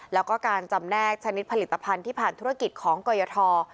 แล้วก็การจำแนกชนิดผลิตภัณฑ์ที่ผ่านธุรกิจของกรยท